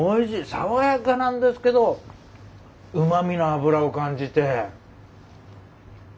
爽やかなんですけどうまみの脂を感じて。